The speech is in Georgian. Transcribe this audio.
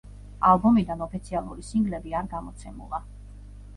ალბომიდან ოფიციალური სინგლები არ გამოცემულა.